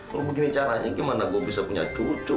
lo begini caranya gimana gue bisa punya cucu